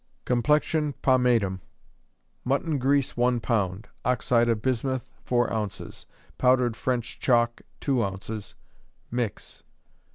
Complexion Pomatum. Mutton grease, one pound; oxide of bismuth, four ounces; powdered French chalk, two ounces; mix.